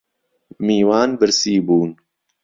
میوان برسی بوون